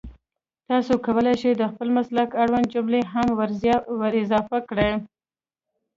تاسو کولای شئ د خپل مسلک اړونده جملې هم ور اضافه کړئ